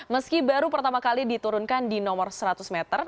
meski baru pertama kali diturunkan di nomor seratus meter